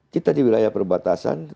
kita di wilayah perbatasan